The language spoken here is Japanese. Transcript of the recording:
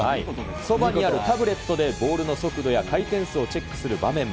そばにあるタブレットでボールの速度や回転数をチェックする場面も。